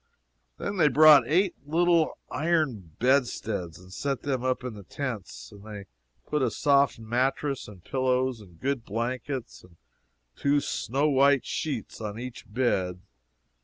Then they brought eight little iron bedsteads, and set them up in the tents; they put a soft mattress and pillows and good blankets and two snow white sheets on each bed.